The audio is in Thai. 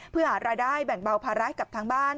เพื่อหารายได้แบ่งเบาภาระให้กับทางบ้าน